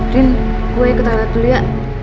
rin gue ikut anda dulu ya